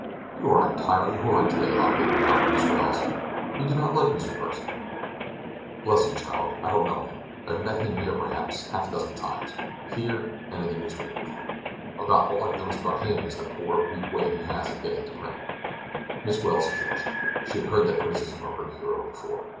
"You are entirely horrid today, Ogden," pouted Miss Welles. "You do not like Mr. Pursen." "Bless you, child, I don't know him. I've met him here perhaps a half dozen times—here, and in the newspapers. About all I've noticed about him is the poor, weak way he has of getting into print." Miss Welles flushed. She had heard that criticism of her hero before.